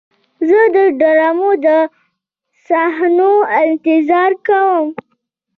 زه د ډرامو د صحنو انتظار کوم.